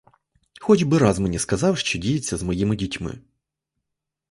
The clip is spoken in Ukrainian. Хоч би раз мені сказав, що діється з моїми дітьми?